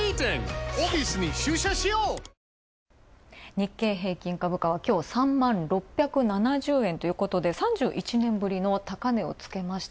日経平均株価はきょう３万６７０円ということで３１年ぶりの高値をつけました。